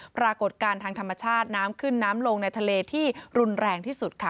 ปรากฏการณ์ทางธรรมชาติน้ำขึ้นน้ำลงในทะเลที่รุนแรงที่สุดค่ะ